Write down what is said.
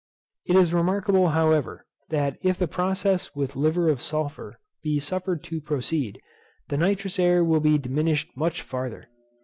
It is remarkable, however, that if the process with liver of sulphur be suffered to proceed, the nitrous air will be diminished much farther.